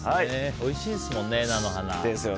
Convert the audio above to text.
おいしいですもんね、菜の花。